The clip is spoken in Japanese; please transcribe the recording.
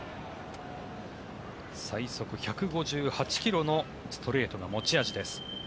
最速１５８ｋｍのストレートが持ち味です。